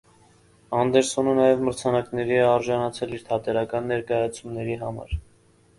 Անդերսոնը նաև մրցանակների է արժանացել իր թատերական ներկայացումների համար։